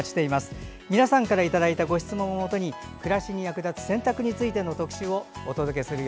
皆さんからいただいたご質問をもとに暮らしに役立つ洗濯についての特集をお届けします。